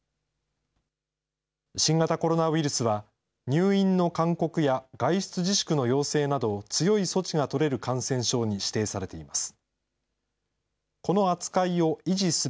新型コロナウイルスは、入院の勧告や外出自粛の要請など強い措置が取れる感染症に指定されています。